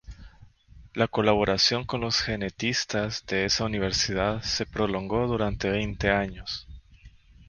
La colaboración con los genetistas de esa universidad se prolongó durante veinte años.